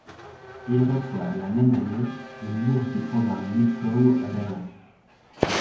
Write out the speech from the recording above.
Il reçoit, la même année, une bourse du programme Nipkow à Berlin.